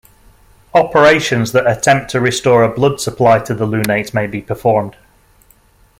Operations that attempt to restore a blood supply to the lunate may be performed.